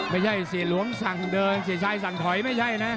ไม่ใช่เสียหลวงสั่งเดินเสียชัยสั่งถอยไม่ใช่นะ